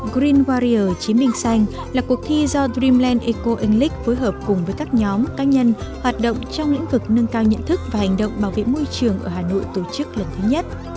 green warrior chiến binh xanh là cuộc thi do dreamland eco english phối hợp cùng với các nhóm cá nhân hoạt động trong lĩnh vực nâng cao nhận thức và hành động bảo vệ môi trường ở hà nội tổ chức lần thứ nhất